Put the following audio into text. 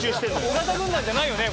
尾形軍団じゃないよね？